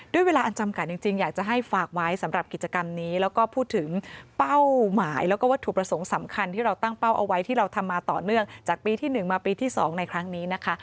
เวลาอันจำกัดจริงอยากจะให้ฝากไว้สำหรับกิจกรรมนี้แล้วก็พูดถึงเป้าหมายแล้วก็วัตถุประสงค์สำคัญที่เราตั้งเป้าเอาไว้ที่เราทำมาต่อเนื่องจากปีที่๑มาปีที่๒ในครั้งนี้นะคะ